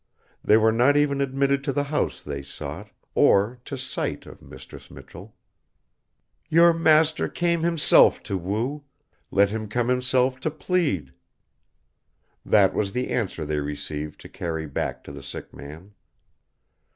They were not even admitted to the house they sought, or to sight of Mistress Michell. "Your master came himself to woo; let him come himself to plead." That was the answer they received to carry back to the sick man.